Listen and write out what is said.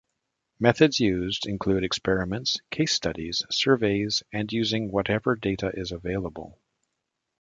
Methods used include experiments, case studies, surveys, and using whatever data is available.